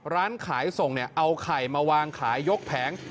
ร้านขายส่งเนี่ยเอาไข่มาวางขายยกแผง